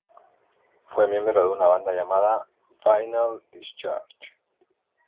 Fue miembro de una banda llamada "Vinyl Discharge".